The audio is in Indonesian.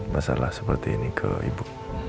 masalah seperti ini ke ibu